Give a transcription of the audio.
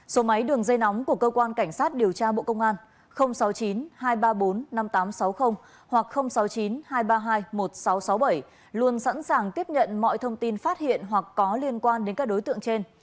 số máy đường dây nóng của cơ quan cảnh sát điều tra bộ công an sáu mươi chín hai trăm ba mươi bốn năm nghìn tám trăm sáu mươi hoặc sáu mươi chín hai trăm ba mươi hai một nghìn sáu trăm sáu mươi bảy luôn sẵn sàng tiếp nhận mọi thông tin phát hiện hoặc có liên quan đến các đối tượng trên